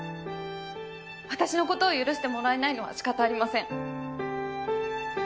私の事を許してもらえないのは仕方ありません。